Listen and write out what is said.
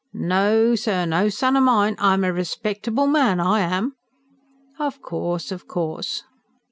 No, sir, no son o' mine! I'm a respectable man, I am!" "Of course, of course."